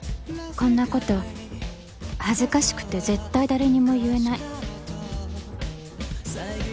こんなこと恥ずかしくて絶対誰にも言えない。